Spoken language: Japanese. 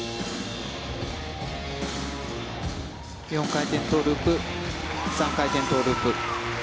４回転トウループ３回転トウループ。